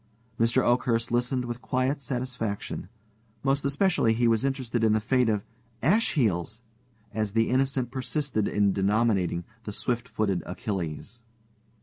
Mr. Oakhurst listened with quiet satisfaction. Most especially was he interested in the fate of "Ash heels," as the Innocent persisted in denominating the "swift footed Achilles."